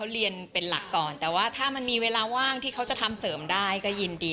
เรียนเป็นหลักก่อนแต่ว่าถ้ามันมีเวลาว่างที่เขาจะทำเสริมได้ก็ยินดี